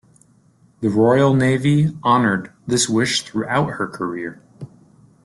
The Royal Navy honoured this wish throughout her career.